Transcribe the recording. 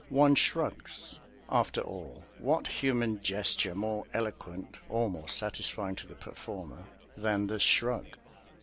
One shrugs. After all, what human gesture more eloquent (or more satisfying to the performer) than the shrug?